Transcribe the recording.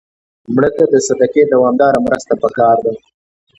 مړه ته د صدقې دوامداره مرسته پکار ده